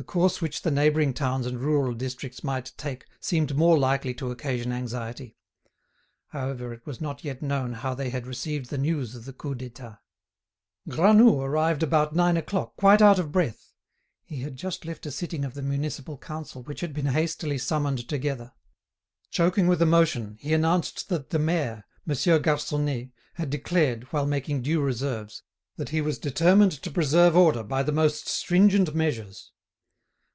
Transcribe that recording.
The course which the neighbouring towns and rural districts might take seemed more likely to occasion anxiety; however, it was not yet known how they had received the news of the Coup d'État. Granoux arrived at about nine o'clock, quite out of breath. He had just left a sitting of the Municipal Council which had been hastily summoned together. Choking with emotion, he announced that the mayor, Monsieur Garconnet, had declared, while making due reserves, that he was determined to preserve order by the most stringent measures.